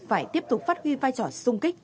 phải tiếp tục phát huy vai trò sung kích